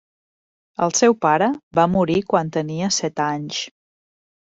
El seu pare va morir quan tenia set anys.